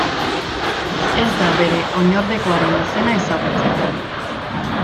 Ez da bere oinordekoaren izena ezagutzen.